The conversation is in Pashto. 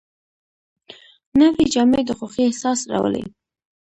نوې جامې د خوښۍ احساس راولي